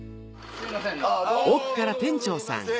すいません。